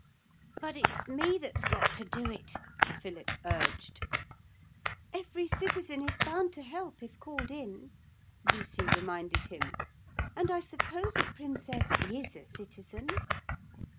'But it's me that's got to do it,' Philip urged. 'Every citizen is bound to help, if called in,' Lucy reminded him. 'And I suppose a princess is a citizen.'